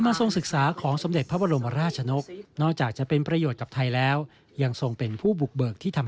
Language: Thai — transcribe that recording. แต่สิ่งหนึ่งที่สมเด็จพระบรมราชนกษ์ไม่มีวันส่งร่วงรู้ก็คือในอนาคต